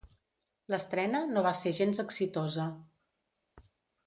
L'estrena no va ser gens exitosa.